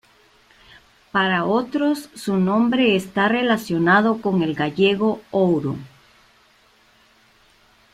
Para otros su nombre está relacionado con el gallego "ouro".